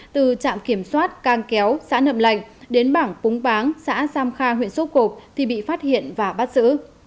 từ trạm kiểm soát cang kéo xã nậm lạnh đến bảng púng báng xã sam kha huyện số cộp thì bị phát hiện và bắt giữ